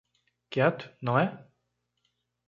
Quieto, não é?